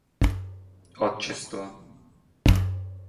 Отчество